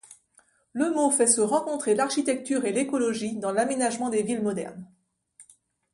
Le mot fait se rencontrer l'architecture et l'écologie dans l'aménagement des villes modernes.